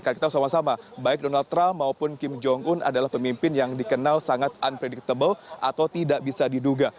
karena kita sama sama baik donald trump maupun kim jong un adalah pemimpin yang dikenal sangat unpredictable atau tidak bisa diduga